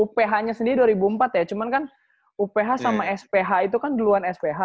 uph nya sendiri dua ribu empat ya cuman kan uph sama sph itu kan duluan sph